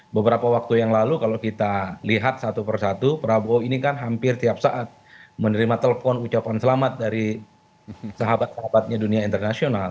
beberapa waktu yang lalu kalau kita lihat satu persatu prabowo ini kan hampir tiap saat menerima telepon ucapan selamat dari sahabat sahabatnya dunia internasional